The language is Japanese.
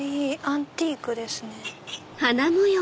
アンティークですね。